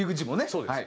そうです。